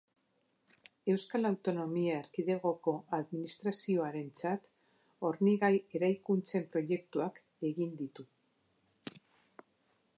Euskal Autonomia Erkidegoko Administrazioarentzat hornigai-eraikuntzen proiektuak egin ditu.